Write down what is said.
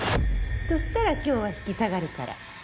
そしたら今日は引き下がるから。